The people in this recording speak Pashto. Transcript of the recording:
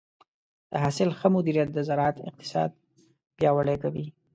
د حاصل ښه مدیریت د زراعت اقتصاد پیاوړی کوي.